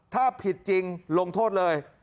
ถ้าผิดจริงลงโทษเลย